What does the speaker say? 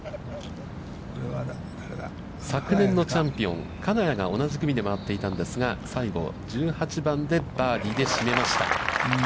昨年のチャンピオン、金谷が同じ組で回っていたんですが、最後、１８番でバーディーで締めました。